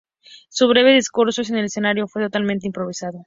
Su breve discurso en el escenario fue totalmente improvisado.